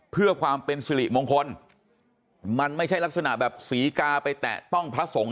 เพื่อความเป็นสิริมงคลมันไม่ใช่ลักษณะแบบศรีกาไปแตะต้องพระสงฆ์